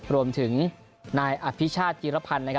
รวมถึงนายอภิชาชีรพันธ์นะครับ